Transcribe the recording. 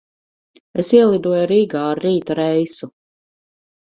Es ielidoju Rīgā ar rīta reisu.